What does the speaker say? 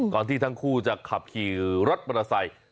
ก่อนที่ทั้งคู่จะขับขี่รถประสัย